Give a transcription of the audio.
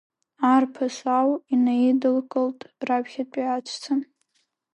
Арԥыс ау инаидылкылт раԥхьатәи аҵәца.